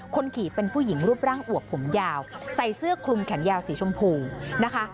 คนขี่เป็นผู้หญิงรูปร่างอวบผมยาวใส่เสื้อคลุมแขนยาวสีชมพูนะคะ